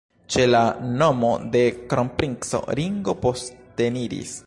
Ĉe la nomo de kronprinco Ringo posteniris.